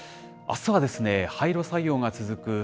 あすは廃炉作業が続く